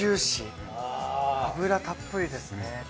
脂たっぷりですね。